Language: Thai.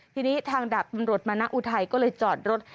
ทีนี้ทางดาบตำรวจมณะอุทัยก็เลยจอดรถ